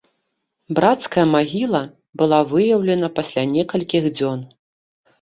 Брацкая магіла была выяўлена пасля некалькіх дзён.